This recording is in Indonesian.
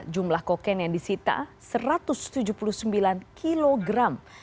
jumlah koken yang disita satu ratus tujuh puluh sembilan kilogram